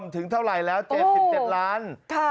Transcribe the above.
ถึงเท่าไหร่แล้ว๗๗ล้าน